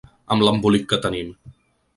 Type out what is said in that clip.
Amb l’embolic que tenim!